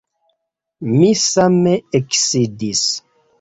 Mi same eksidis.